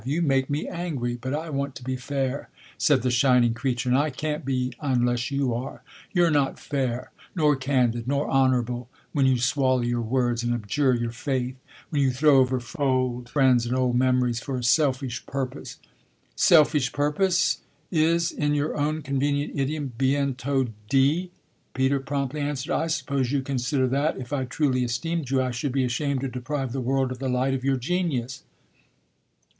You make me angry, but I want to be fair," said the shining creature, "and I can't be unless you are. You're not fair, nor candid, nor honourable, when you swallow your words and abjure your faith, when you throw over old friends and old memories for a selfish purpose." "'Selfish purpose' is, in your own convenient idiom, bientôt dit," Peter promptly answered. "I suppose you consider that if I truly esteemed you I should be ashamed to deprive the world of the light of your genius.